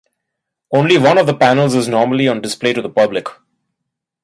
Only one of the panels is normally on display to the public.